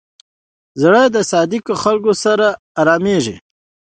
زړه د صادقو خلکو سره آرامېږي.